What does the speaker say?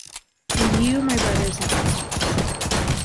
and you, my brothers and sisters